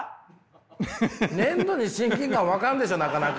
粘土に親近感湧かんでしょなかなか。